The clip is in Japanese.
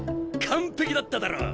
完璧だっただろう！